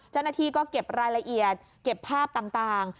เจ้าหน้าที่ก็เก็บรายละเอียดเก็บภาพต่าง